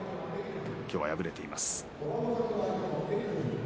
今日は敗れています。